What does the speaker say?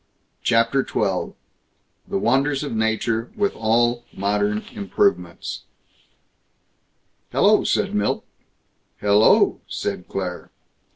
CHAPTER XII THE WONDERS OF NATURE WITH ALL MODERN IMPROVEMENTS "Hello!" said Milt. "Hel lo!" said Claire.